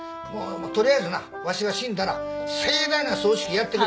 取りあえずなわしが死んだら盛大な葬式やってくれ！